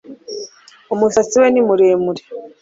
Umusatsi we ni muremure